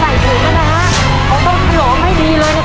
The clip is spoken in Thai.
เพลียหน้าลูกตรงเตรียงไหมลูก